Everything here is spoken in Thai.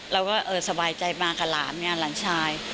เราก็เออสบายใจมากับหลานงานหลานชาย